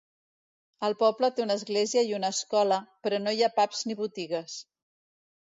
El poble té una església i una escola però no hi ha pubs ni botigues.